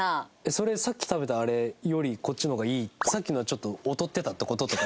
それさっき食べたあれよりこっちの方がいいさっきのはちょっと劣ってたって事？とか。